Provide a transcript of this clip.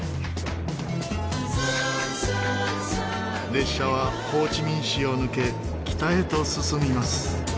列車はホーチミン市を抜け北へと進みます。